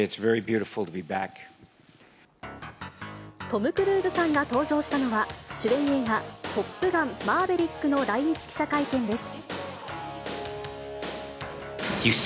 トム・クルーズさんが登場したのは、主演映画、トップガンマーヴェリックの来日記者会見です。